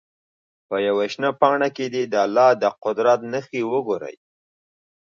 په یوه شنه پاڼه کې دې د الله د قدرت نښې وګوري.